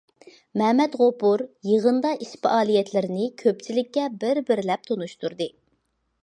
مەمەت غوپۇر يىغىنىدا ئىش- پائالىيەتلىرىنى كۆپچىلىككە بىر- بىرلەپ تونۇشتۇردى.